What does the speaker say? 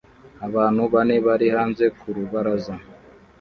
Abantu bane bari hanze ku rubaraza